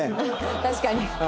確かに。